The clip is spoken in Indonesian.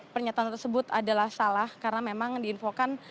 pernyataan tersebut adalah salah karena memang diinfokan